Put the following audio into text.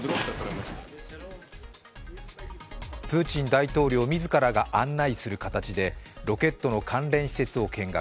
プーチン大統領自らが案内する形でロケットの関連施設を見学。